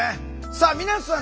さあ皆さん